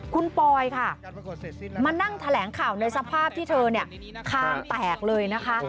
คุณปอยค่ะมานั่งแถลงข่าวในสภาพที่เธอเนี่ยคางแตกเลยนะคะ